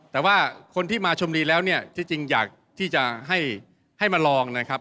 แต่ว่าคนที่มาชมดีแล้วเนี่ยที่จริงอยากที่จะให้มาลองนะครับ